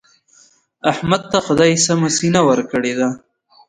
احمد ته خدای سمه سینه ورکړې ده.